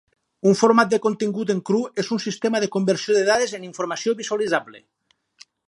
Un format de contingut en cru és un sistema de conversió de dades en informació visualitzable.